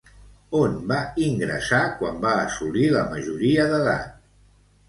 On va ingressar quan va assolir la majoria d'edat?